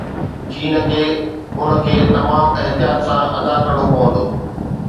چين کي ان کي تمام احتياط سان ادا ڪرڻو پوندو